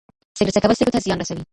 سګرټ څکول سږو ته زیان رسوي.